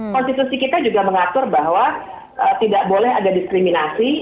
konstitusi kita juga mengatur bahwa tidak boleh ada diskriminasi